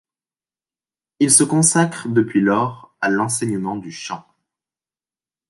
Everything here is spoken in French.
Il se consacre depuis lors à l'enseignement du chant.